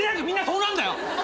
みんなそうなるんだよ！